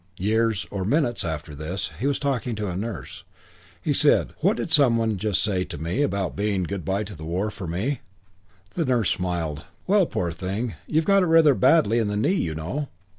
Years or minutes after this he was talking to a nurse. He said, "What did some one say to me about it being good by to the war for me?" The nurse smiled. "Well, poor thing, you've got it rather badly in the knee, you know."